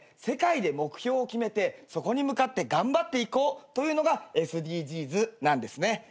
世界で目標を決めてそこに向かって頑張っていこうというのがＳＤＧｓなんですね。